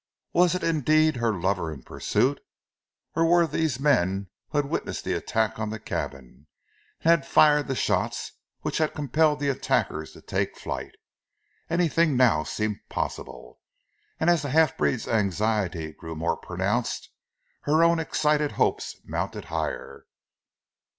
Was it indeed her lover in pursuit, or were these men who had witnessed the attack on the cabin, and had fired the shots which had compelled the attackers to take flight? Anything now seemed possible, and as the half breed's anxiety grew more pronounced, her own excited hopes mounted higher.